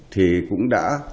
thì cũng đã